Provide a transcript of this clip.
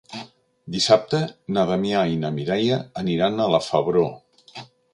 Dissabte na Damià i na Mireia aniran a la Febró.